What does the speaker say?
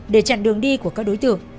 để chặn đường đi của các đối tượng